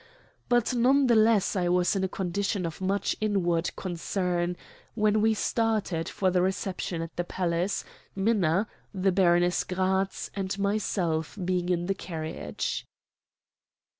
But none the less I was in a condition of much inward concern when we started for the reception at the palace, Minna, the Baroness Gratz, and myself being in the carriage.